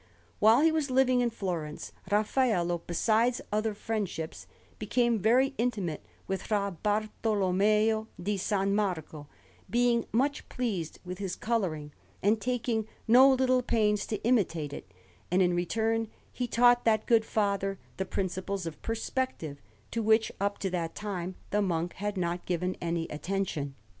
While he was living in Florence, Raffaello, besides other friendships, became very intimate with Fra Bartolommeo di San Marco, being much pleased with his colouring, and taking no little pains to imitate it: and in return he taught that good father the principles of perspective, to which up to that time the monk had not given any attention.